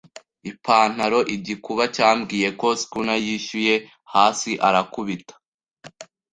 ipantaro, igikuba cyambwiye ko schooner yishyuye hasi arakubita